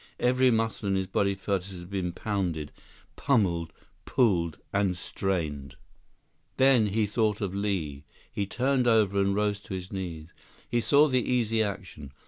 Every muscle in his body felt as if it had been pounded, pummeled, pulled, and strained. Then he thought of Li. He turned over and rose to his knees. He saw the Easy Action.